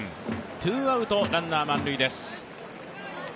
ツーアウトランナー満塁です。